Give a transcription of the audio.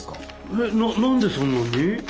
えっ何でそんなに。